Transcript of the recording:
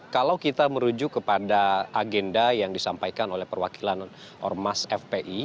kalau kita merujuk kepada agenda yang disampaikan oleh perwakilan ormas fpi